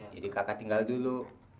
jadi kakak tinggal dulu